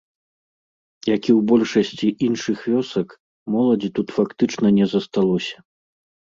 Як і ў большасці іншых вёсак, моладзі тут фактычна не засталося.